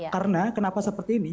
karena kenapa seperti ini